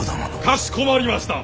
かしこまりました！